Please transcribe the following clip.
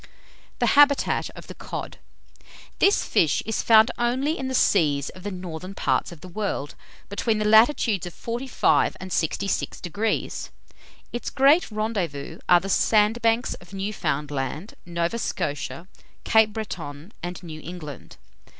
THE HABITAT OF THE COD. This fish is found only in the seas of the northern parts of the world, between the latitudes of 45° and 66°. Its great rendezvous are the sandbanks of Newfoundland, Nova Scotia, Cape Breton, and New England.